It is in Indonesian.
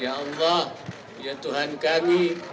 ya allah ya tuhan kami